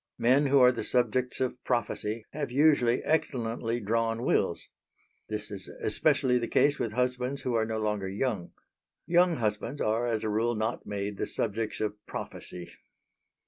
Men who are the subjects of prophecy have usually excellently drawn wills. This is especially the case with husbands who are no longer young. Young husbands are as a rule not made the subjects of prophecy.